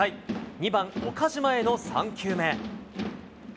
２番、岡島への３球目。